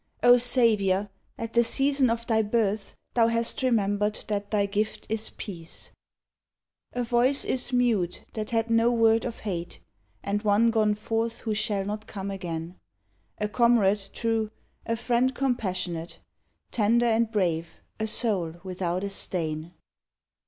O Savior! at the season of Thy birth Thou hast remembered that Thy gift is peace ! A voice is mute that had no word of hate, And one gone forth who shall not come again A comrade true, a friend compassionate; Tender and brave, a soul without a stain.